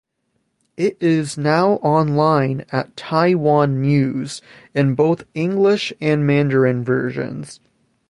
It is now online at "Taiwan News" in both English and Mandarin versions.